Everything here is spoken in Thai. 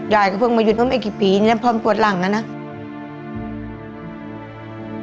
ยายก็เพิ่งมาหยุดว่าไม่กี่ปีนี่มันพร้อมปวดหลังนะนะ